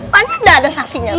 tadi udah ada saksinya ustadz